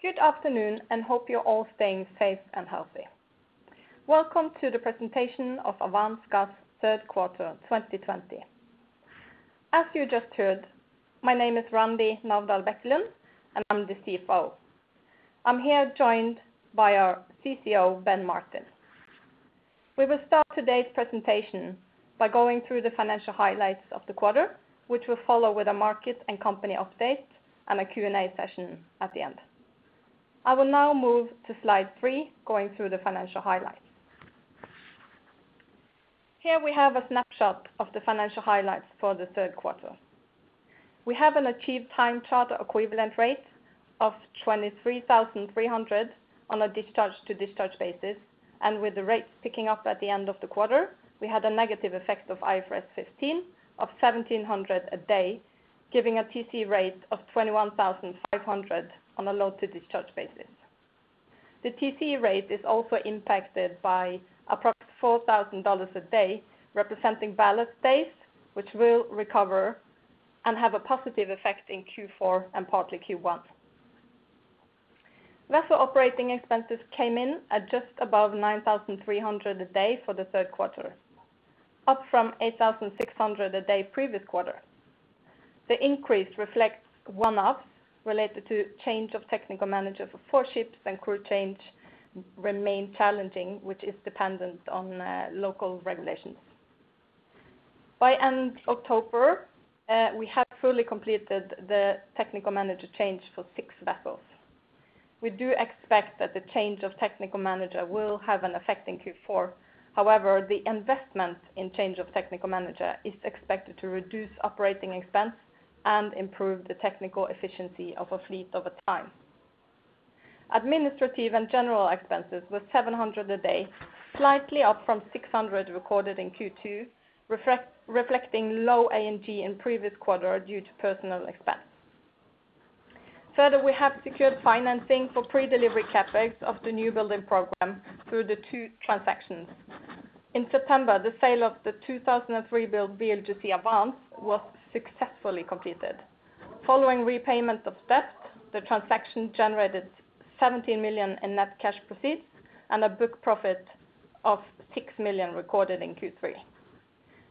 Good afternoon. Hope you're all staying safe and healthy. Welcome to the presentation of Avance Gas third quarter 2020. As you just heard, my name is Randi Navdal Bekkelund, and I'm the CFO. I'm here joined by our CCO, Ben Martin. We will start today's presentation by going through the financial highlights of the quarter, which will follow with a market and company update and a Q&A session at the end. I will now move to slide three, going through the financial highlights. Here we have a snapshot of the financial highlights for the third quarter. We have an achieved time charter equivalent rate of $23,300 on a discharge-to-discharge basis, and with the rates picking up at the end of the quarter, we had a negative effect of IFRS 15 of $1,700 a day, giving a TCE rate of $21,500 on a load-to-discharge basis. The TCE rate is also impacted by approximately $4,000 a day, representing balance days, which will recover and have a positive effect in Q4 and partly Q1. Vessel operating expenses came in at just above $9,300 a day for the third quarter, up from $8,600 a day previous quarter. The increase reflects one-offs related to change of technical manager for four ships, and crew change remains challenging, which is dependent on local regulations. By end October, we have fully completed the technical manager change for six vessels. We do expect that the change of technical manager will have an effect in Q4. However, the investment in change of technical manager is expected to reduce operating expense and improve the technical efficiency of a fleet over time. Administrative and general expenses was $700 a day, slightly up from $600 recorded in Q2, reflecting low A&G in previous quarter due to personnel expense. Further, we have secured financing for pre-delivery CapEx of the new building program through the two transactions. In September, the sale of the 2003-built VLGC Avance was successfully completed. Following repayment of debt, the transaction generated $17 million in net cash proceeds and a book profit of $6 million recorded in Q3.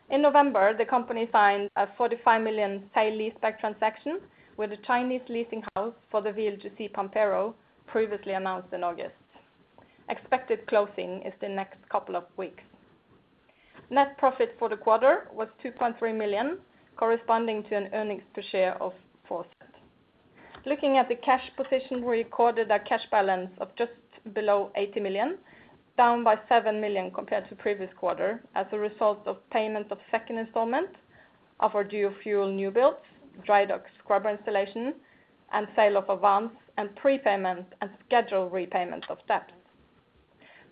In November, the company signed a $45 million sale leaseback transaction with a Chinese leasing house for the VLGC Pampero previously announced in August. Expected closing is the next couple of weeks. Net profit for the quarter was $2.3 million, corresponding to an earnings per share of $0.04. Looking at the cash position, we recorded a cash balance of just below $80 million, down by $7 million compared to previous quarter as a result of payment of second installment of our dual-fuel new builds, drydock scrubber installation, and sale of Avance and prepayments and schedule repayment of debt.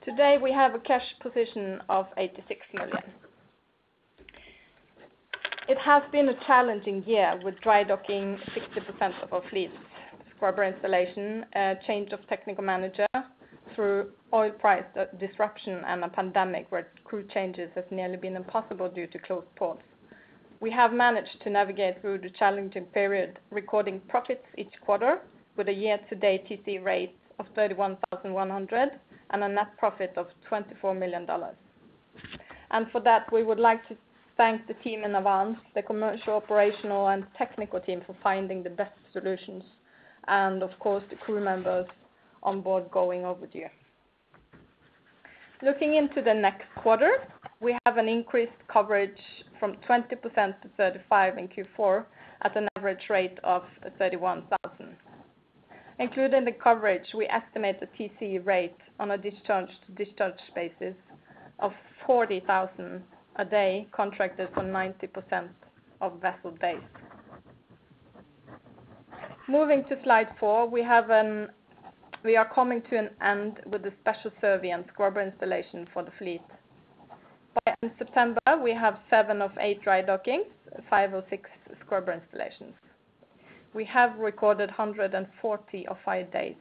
Today, we have a cash position of $86 million. It has been a challenging year with drydocking 60% of our fleet, scrubber installation, change of technical manager through oil price disruption and a pandemic where crew changes have nearly been impossible due to closed ports. We have managed to navigate through the challenging period, recording profits each quarter with a year-to-date TCE rate of $31,100 and a net profit of $24 million. For that, we would like to thank the team in Avance, the commercial, operational, and technical team for finding the best solutions. Of course, the crew members on board going overdue. Looking into the next quarter, we have an increased coverage from 20%-35% in Q4 at an average rate of $31,000. Included in the coverage, we estimate the TCE rate on a discharge-to-discharge basis of $40,000 a day contracted on 90% of vessel days. Moving to slide four, we are coming to an end with the special survey and scrubber installation for the fleet. By end September, we have seven of eight drydockings, five of six scrubber installations. We have recorded 140 off-hire days,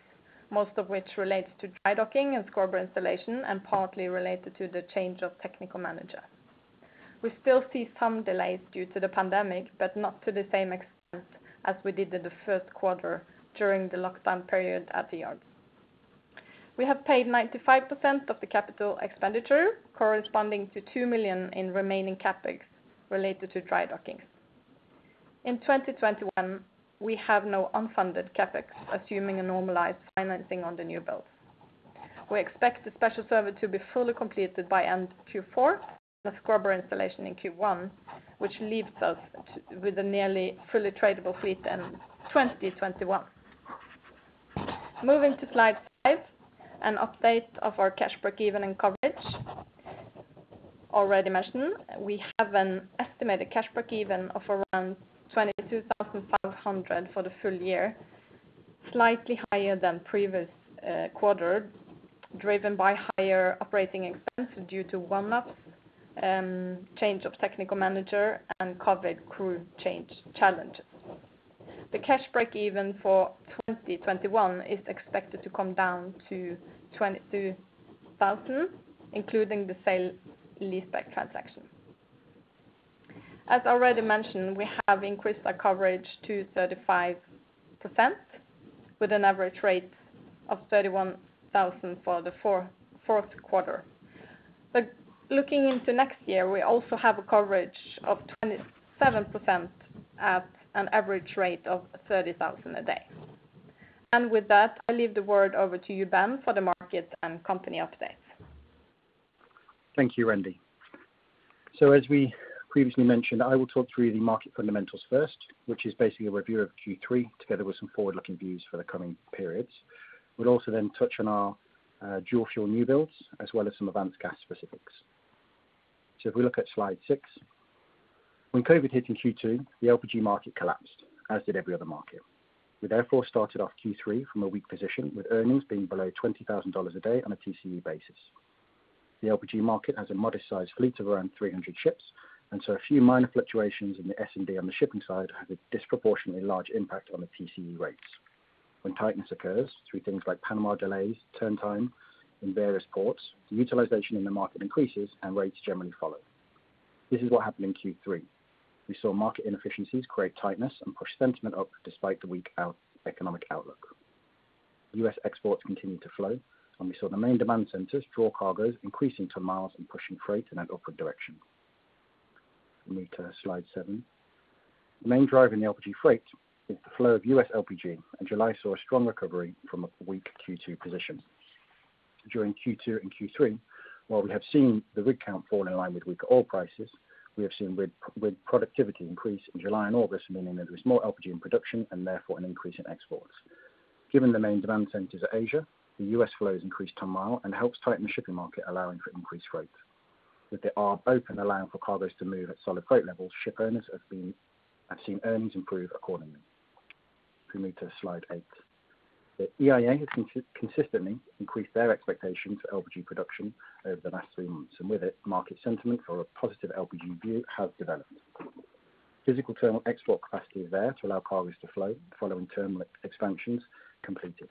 most of which relates to drydocking and scrubber installation and partly related to the change of technical manager. We still see some delays due to the pandemic, but not to the same extent as we did in the first quarter during the lockdown period at the yard. We have paid 95% of the capital expenditure, corresponding to $2 million in remaining CapEx related to drydockings. In 2021, we have no unfunded CapEx, assuming a normalized financing on the new builds. We expect the special survey to be fully completed by end Q4 and the scrubber installation in Q1, which leaves us with a nearly fully tradable fleet in 2021. Moving to slide five, an update of our cash breakeven and coverage. Already mentioned, we have an estimated cash breakeven of around $22,500 for the full year, slightly higher than previous quarter, driven by higher operating expense due to one-offs, change of technical manager, and COVID crew change challenges. The cash breakeven for 2021 is expected to come down to $22,000 including the sale leaseback transaction. As already mentioned, we have increased our coverage to 35%, with an average rate of $31,000 for the fourth quarter. Looking into next year, we also have a coverage of 27% at an average rate of $30,000 a day. With that, I leave the word over to you, Ben, for the market and company update. Thank you, Randi. As we previously mentioned, I will talk through the market fundamentals first, which is basically a review of Q3 together with some forward-looking views for the coming periods. We'll also then touch on our dual-fuel new builds as well as some Avance Gas specifics. If we look at slide six. When COVID hit in Q2, the LPG market collapsed, as did every other market. We therefore started off Q3 from a weak position, with earnings being below $20,000 a day on a TCE basis. The LPG market has a modest-sized fleet of around 300 ships, and so a few minor fluctuations in the S&D on the shipping side had a disproportionately large impact on the TCE rates. When tightness occurs through things like Panama delays, turn time in various ports, utilization in the market increases and rates generally follow. This is what happened in Q3. We saw market inefficiencies create tightness and push sentiment up despite the weak economic outlook. U.S. exports continued to flow, and we saw the main demand centers draw cargoes increasing ton-miles and pushing freight in an upward direction. If we move to slide seven. The main drive in the LPG freight is the flow of U.S. LPG, and July saw a strong recovery from a weak Q2 position. During Q2 and Q3, while we have seen the rig count fall in line with weaker oil prices, we have seen rig productivity increase in July and August, meaning that there is more LPG in production and therefore an increase in exports. Given the main demand centers are Asia, the U.S. flows increase ton-mile and helps tighten the shipping market, allowing for increased rates. With the arb open allowing for cargoes to move at solid freight levels, ship owners have seen earnings improve accordingly. If we move to slide eight. The EIA has consistently increased their expectation for LPG production over the last few months, and with it, market sentiment for a positive LPG view has developed. Physical terminal export capacity is there to allow cargoes to flow following terminal expansions completed.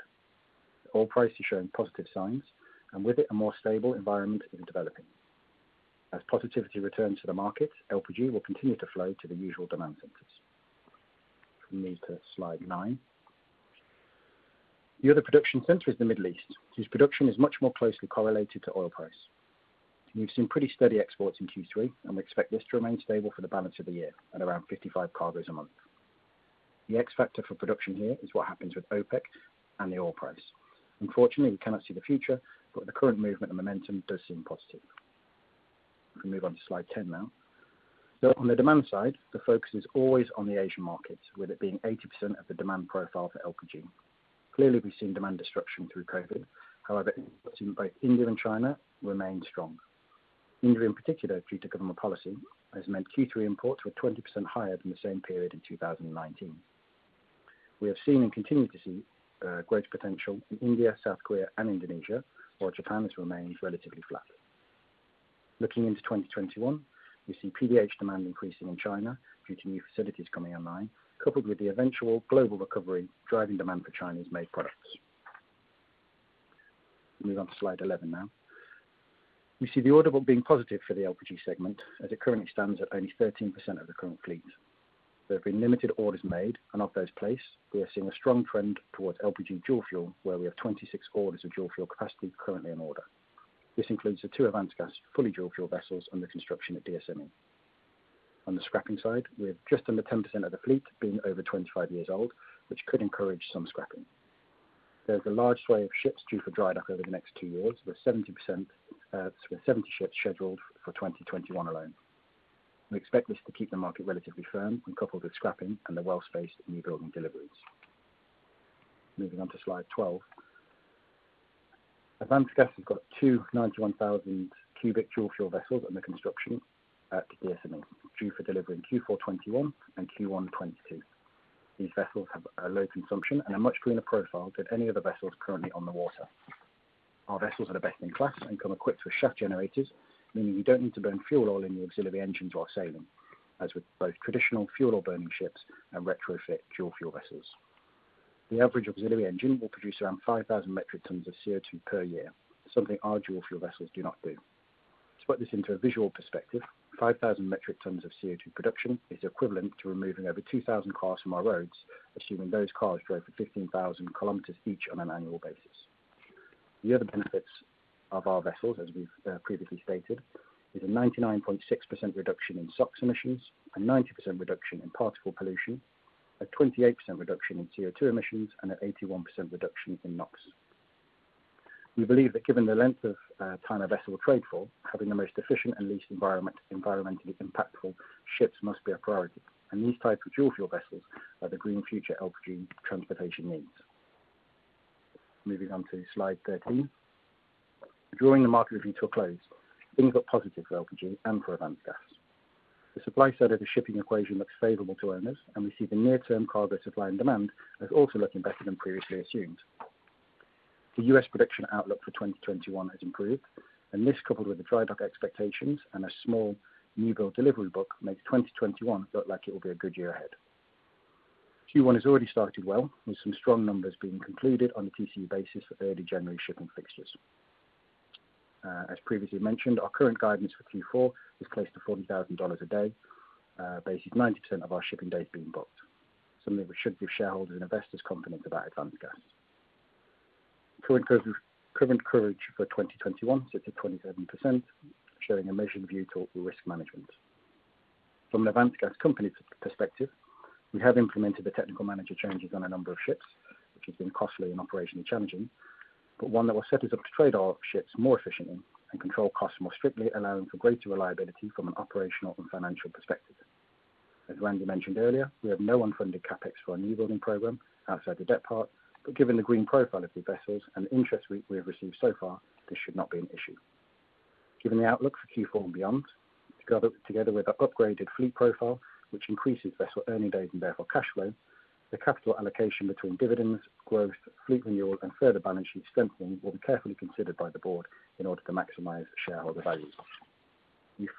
Oil price is showing positive signs, and with it, a more stable environment is developing. As positivity returns to the market, LPG will continue to flow to the usual demand centers. If we move to slide nine. The other production center is the Middle East, whose production is much more closely correlated to oil price. We've seen pretty steady exports in Q3, and we expect this to remain stable for the balance of the year at around 55 cargoes a month. The X factor for production here is what happens with OPEC and the oil price. Unfortunately, we cannot see the future, but the current movement and momentum does seem positive. If we move on to slide 10 now. On the demand side, the focus is always on the Asian markets, with it being 80% of the demand profile for LPG. Clearly, we've seen demand destruction through COVID. However, imports in both India and China remain strong. India in particular, due to government policy, has meant Q3 imports were 20% higher than the same period in 2019. We have seen and continue to see growth potential in India, South Korea, and Indonesia, while Japan has remained relatively flat. Looking into 2021, we see PDH demand increasing in China due to new facilities coming online, coupled with the eventual global recovery driving demand for Chinese-made products. If we move on to slide 11 now. We see the order book being positive for the LPG segment, as it currently stands at only 13% of the current fleet. There have been limited orders made, and of those placed, we are seeing a strong trend towards LPG dual-fuel, where we have 26 orders of dual-fuel capacity currently on order. This includes the two Avance Gas fully dual-fuel vessels under construction at DSME. On the scrapping side, we have just under 10% of the fleet being over 25 years old, which could encourage some scrapping. There is a large swath of ships due for drydock over the next two years, with 70 ships scheduled for 2021 alone. We expect this to keep the market relatively firm when coupled with scrapping and the well-spaced new building deliveries. Moving on to slide 12. Avance Gas has got two 91,000 cu dual-fuel vessels under construction at DSME due for delivery in Q4 2021 and Q1 2022. These vessels have a low consumption and a much greener profile than any other vessels currently on the water. Our vessels are the best in class and come equipped with shaft generators, meaning you don't need to burn fuel oil in the auxiliary engines while sailing, as with both traditional fuel oil burning ships and retrofit dual-fuel vessels. The average auxiliary engine will produce around 5,000 metric tons of CO2 per year, something our dual-fuel vessels do not do. To put this into a visual perspective, 5,000 metric tons of CO2 production is equivalent to removing over 2,000 cars from our roads, assuming those cars drove for 15,000 km each on an annual basis. The other benefits of our vessels, as we've previously stated, is a 99.6% reduction in SOx emissions, a 90% reduction in particle pollution, a 28% reduction in CO2 emissions, and an 81% reduction in NOx. We believe that given the length of time our vessel will trade for, having the most efficient and least environmentally impactful ships must be a priority. These types of dual-fuel vessels are the green future LPG transportation needs. Moving on to slide 13. Drawing the market review to a close, things look positive for LPG and for Avance Gas. The supply side of the shipping equation looks favorable to owners, and we see the near term cargo supply and demand as also looking better than previously assumed. The U.S. production outlook for 2021 has improved. This, coupled with the drydock expectations and a small new build delivery book, makes 2021 look like it will be a good year ahead. Q1 has already started well, with some strong numbers being concluded on a TC basis for early January shipping fixtures. As previously mentioned, our current guidance for Q4 is close to $40,000 a day, basically 90% of our shipping days being booked, something which should give shareholders and investors confidence about Avance Gas. Current coverage for 2021 sits at 27%, showing a measured view toward risk management. From the Avance Gas company perspective, we have implemented the technical manager changes on a number of ships, which has been costly and operationally challenging, but one that will set us up to trade our ships more efficiently and control costs more strictly, allowing for greater reliability from an operational and financial perspective. As Randi mentioned earlier, we have no unfunded CapEx for our new building program outside the debt part. Given the green profile of the vessels and the interest we have received so far, this should not be an issue. Given the outlook for Q4 and beyond, together with our upgraded fleet profile, which increases vessel earning days and therefore cash flow, the capital allocation between dividends, growth, fleet renewal, and further balance sheet strengthening will be carefully considered by the board in order to maximize shareholder value. We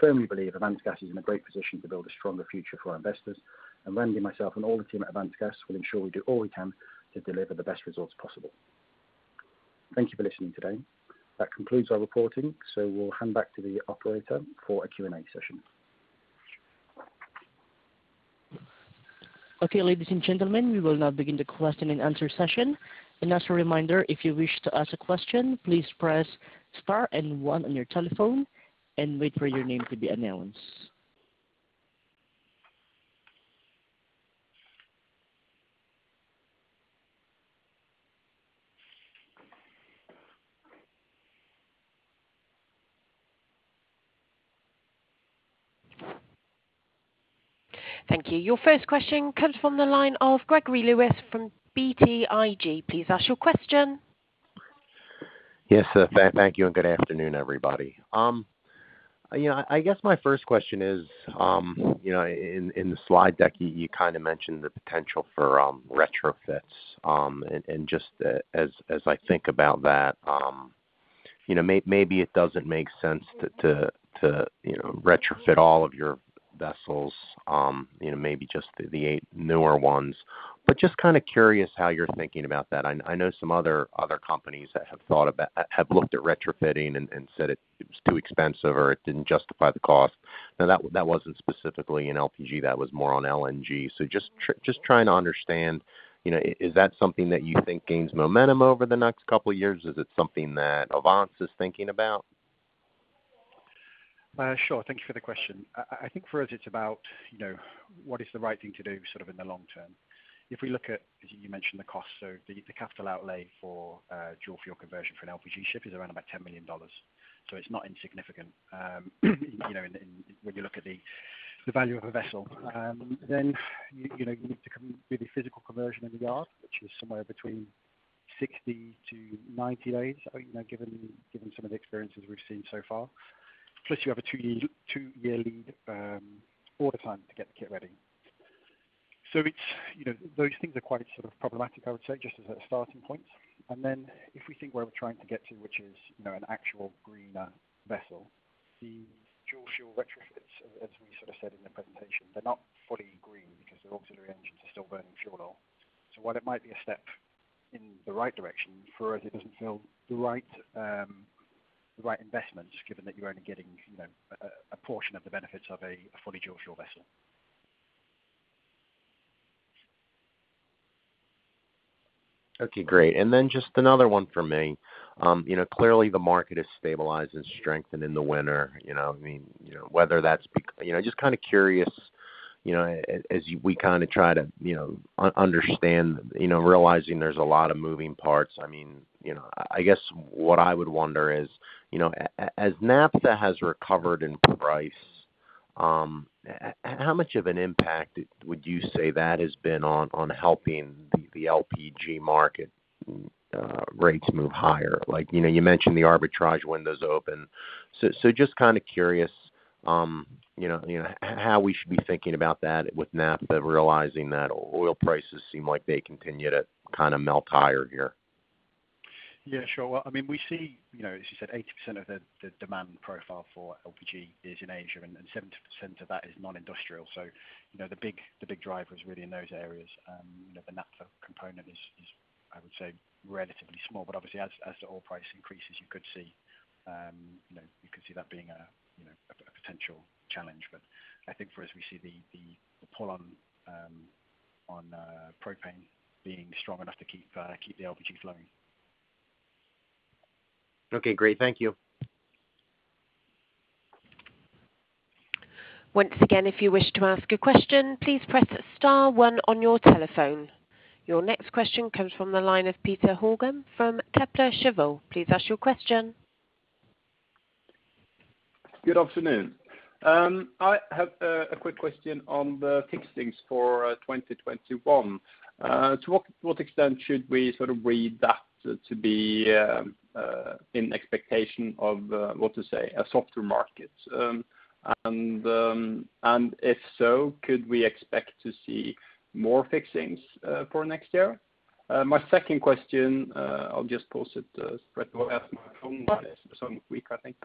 firmly believe Avance Gas is in a great position to build a stronger future for our investors. Randi, myself, and all the team at Avance Gas will ensure we do all we can to deliver the best results possible. Thank you for listening today. That concludes our reporting. We'll hand back to the operator for a Q&A session. Okay, ladies and gentlemen, we will now begin the question and answer session. As a reminder, if you wish to ask a question, please press star and one on your telephone and wait for your name to be announced. Thank you. Your first question comes from the line of Gregory Lewis from BTIG. Please ask your question. Yes, sir. Thank you and good afternoon, everybody. I guess my first question is, in the slide deck, you mentioned the potential for retrofits. Just as I think about that, maybe it doesn't make sense to retrofit all of your vessels, maybe just the eight newer ones. Just curious how you're thinking about that. I know some other companies that have looked at retrofitting and said it was too expensive or it didn't justify the cost. That wasn't specifically in LPG, that was more on LNG. Just trying to understand, is that something that you think gains momentum over the next couple of years? Is it something that Avance is thinking about? Sure. Thank you for the question. I think for us it's about what is the right thing to do in the long term. If we look at, as you mentioned, the cost, the capital outlay for dual-fuel conversion for an LPG ship is around about $10 million. It's not insignificant when you look at the value of a vessel. You need to do the physical conversion in the yard, which is somewhere between 60-90 days, given some of the experiences we've seen so far. Plus, you have a two-year lead order time to get the kit ready. Those things are quite problematic, I would say, just as a starting point. If we think where we're trying to get to, which is an actual greener vessel, the dual-fuel retrofits, as we said in the presentation, they're not fully green because their auxiliary engines are still burning fuel oil. While it might be a step in the right direction, for us, it doesn't feel the right investment, given that you're only getting a portion of the benefits of a fully dual-fuel vessel. Okay, great. Just another one from me. Clearly the market has stabilized and strengthened in the winter. Just curious as we try to understand, realizing there's a lot of moving parts. I guess what I would wonder is, as naphtha has recovered in price, how much of an impact would you say that has been on helping the LPG market rates move higher? You mentioned the arbitrage window is open. Just curious how we should be thinking about that with naphtha, realizing that oil prices seem like they continue to melt higher here. Yeah, sure. We see, as you said, 80% of the demand profile for LPG is in Asia. 70% of that is non-industrial. The big driver is really in those areas. The naphtha component is, I would say, relatively small. Obviously as the oil price increases, you could see that being a potential challenge. I think for us, we see the pull on propane being strong enough to keep the LPG flowing. Okay, great. Thank you. Once again, if you wish to ask a question, please press star one on your telephone. Your next question comes from the line of Petter Haugen from Kepler Cheuvreux. Please ask your question. Good afternoon. I have a quick question on the fixings for 2021. To what extent should we read that to be in expectation of a softer market? If so, could we expect to see more fixings for next year? My second question, I'll just pose it straightaway as my phone is weak, I think.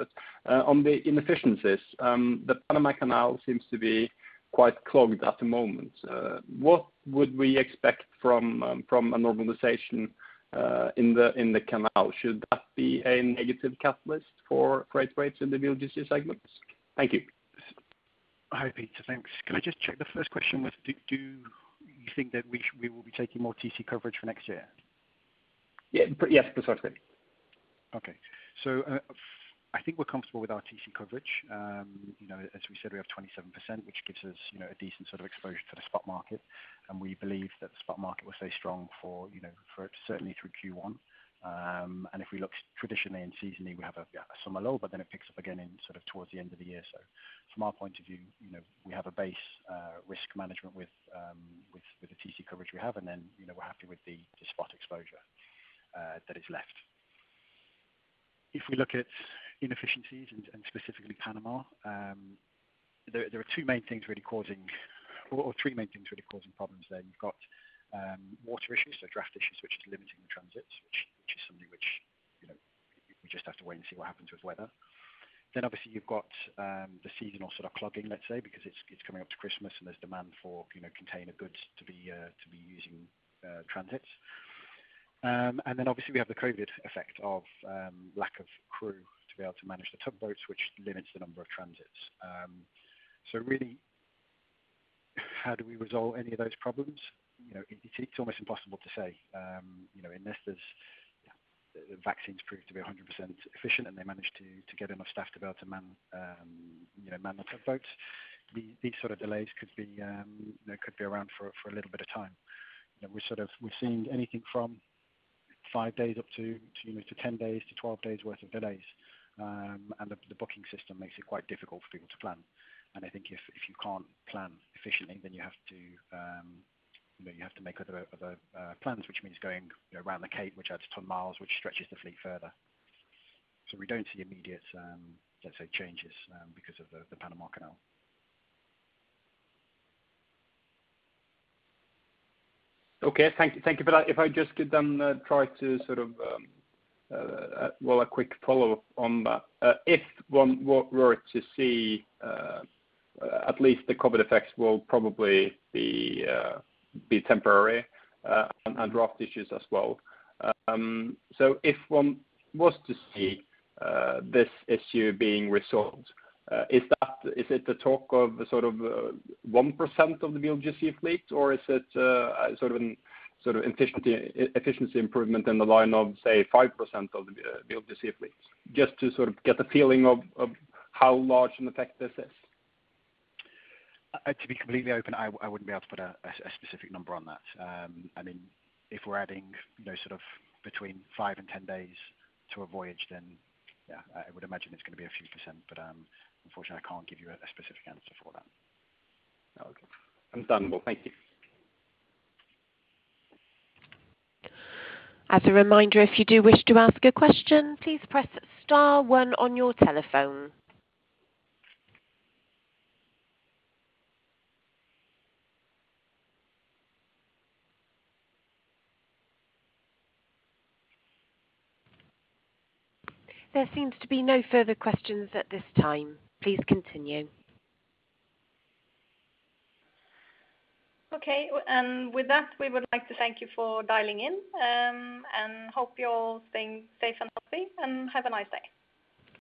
On the inefficiencies, the Panama Canal seems to be quite clogged at the moment. What would we expect from a normalization in the canal? Should that be a negative catalyst for freight rates in the VLGC segment? Thank you. Hi, Petter. Thanks. Can I just check, the first question was, do you think that we will be taking more TC coverage for next year? Yeah. Yes, the first bit. Okay. I think we're comfortable with our TC coverage. As we said, we have 27%, which gives us a decent sort of exposure to the spot market, and we believe that the spot market will stay strong for certainly through Q1. If we look traditionally and seasonally, we have a summer low, but then it picks up again towards the end of the year. From our point of view, we have a base risk management with the TC coverage we have, and then, we're happy with the spot exposure that is left. If we look at inefficiencies, and specifically Panama, there are two main things really causing, or three main things really causing problems there. You've got water issues, so draft issues, which is limiting the transits, which is something which we just have to wait and see what happens with weather. Obviously you've got the seasonal clogging, let's say, because it's coming up to Christmas, and there's demand for container goods to be using transits. Obviously we have the COVID effect of lack of crew to be able to manage the tugboats, which limits the number of transits. Really, how do we resolve any of those problems? It's almost impossible to say. Unless the vaccines prove to be 100% efficient and they manage to get enough staff to be able to man the tugboats, these sort of delays could be around for a little bit of time. We're seeing anything from five days up to 10 days to 12 days worth of delays. The booking system makes it quite difficult for people to plan. I think if you can't plan efficiently, then you have to make other plans, which means going around the Cape, which adds 10 mi, which stretches the fleet further. We don't see immediate, let's say, changes because of the Panama Canal. Okay. Thank you for that. If I just could then try to, well, a quick follow-up on that. If one were to see at least the COVID effects will probably be temporary, and draft issues as well. If one was to see this issue being resolved, is it the talk of 1% of the VLGC fleet, or is it an efficiency improvement in the line of, say, 5% of the VLGC fleets? Just to get the feeling of how large an effect this is. To be completely open, I wouldn't be able to put a specific number on that. If we're adding between five and 10 days to a voyage, then yeah, I would imagine it's going to be a few %. Unfortunately, I can't give you a specific answer for that. Okay. Understandable. Thank you. As a reminder, if you do wish to ask a question, please press star one on your telephone. There seems to be no further questions at this time. Please continue. Okay. With that, we would like to thank you for dialing in, and hope you're staying safe and healthy. Have a nice day.